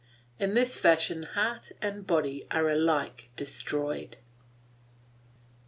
In this fashion heart and body are alike destroyed.